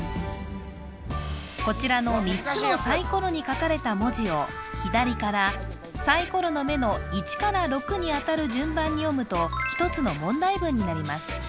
こちらの３つのサイコロに書かれた文字を左からサイコロの目の１から６にあたる順番に読むと１つの問題文になります